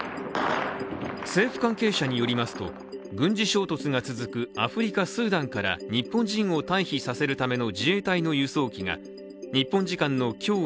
政府関係者によりますと、軍事衝突が続くアフリカ・スーダンから日本人を退避させるための自衛隊の輸送機が日本時間の今日